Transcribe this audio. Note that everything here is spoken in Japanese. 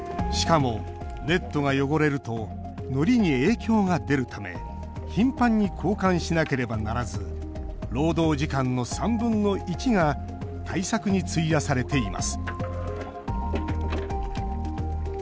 しかも、ネットが汚れるとのりに影響が出るため頻繁に交換しなければならず労働時間の３分の１が対策に費やされています。